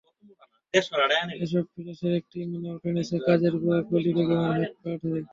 এসব ফ্লাশের একটি মিনাও টেনেছে, কাজের বুয়া কলি বেগমের হাত-পা ধরে।